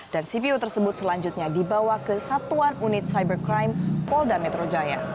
dan cpu tersebut selanjutnya dibawa ke satuan unit cybercrime polda metro jaya